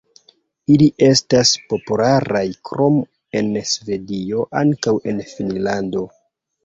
Ili estas popularaj krom en Svedio ankaŭ en Finnlando.